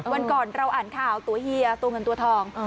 วันก่อนเราอ่านข่าวตัวเฮียตัวเงินตัวทอง